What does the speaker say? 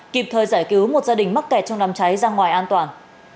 kịp thời giải cứu một gia đình mắc kẹt trong đám cháy ra ngoài an toàn